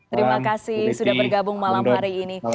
terima kasih sudah bergabung malam hari ini